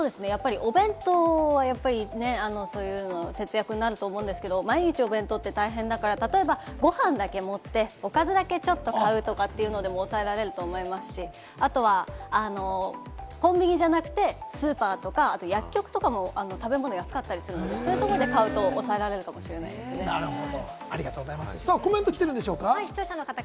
お弁当は節約になると思うんですけど、毎日お弁当って大変だから、例えばご飯だけ持って、おかずだけちょっと買うとかっていうのでも抑えられると思いますし、あとはコンビニじゃなくて、スーパーとか薬局とかも食べ物安かったりするので、そういうところで買うと抑えられるかもしれなコメントはきてるんでしょう